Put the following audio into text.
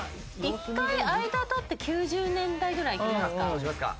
一回間を取って９０年代ぐらいいきますか。